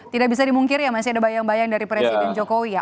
tidak bisa dimungkir ya masih ada bayang bayang dari presiden jokowi ya